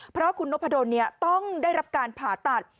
เพราะคุณนพดลต้องได้รับการผ่าตัด